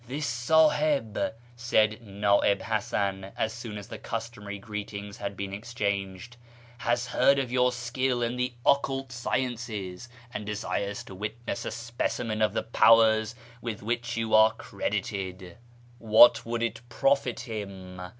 " This Sahib," said Na ib Hasan, as soon as the customary greetings had been interchanged, " has heard of your skill in the occult sciences, and desires to witness a specimen of the powers with which you are credited." " What would it profit him